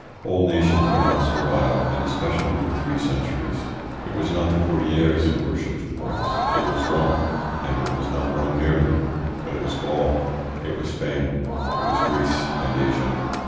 Whole nations are not servile, and especially for three centuries. It was not the courtiers who worshipped the prince, it was Rome, and it was not Rome merely, but it was Gaul, it was Spain, it was Greece and Asia."